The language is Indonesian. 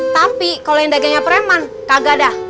tapi kalau yang dagangnya preman kagak ada